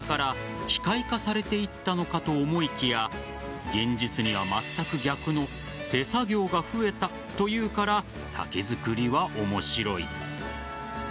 そう、データ至上主義だから機械化されていったのかと思いきや現実にはまったく逆の手作業が増えたというから酒造りは面白い。